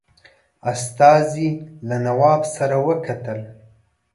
استازي له نواب سره وکتل.